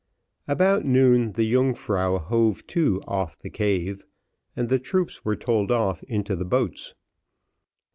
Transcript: About noon the Yungfrau hove to off the cave, and the troops were told off into the boats.